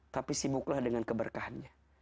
tapi sibuklah dengan keberkahannya